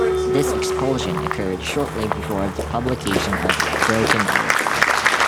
This expulsion occurred shortly before the publication of "Broken Earth".